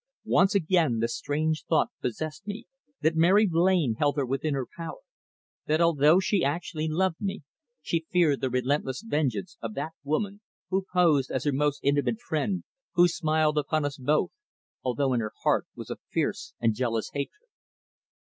Once again the strange thought possessed me that Mary Blain held her within her power; that although she actually loved me she feared the relentless vengeance of that woman who posed as her most intimate friend, who smiled upon us both, although in her heart was a fierce and jealous hatred.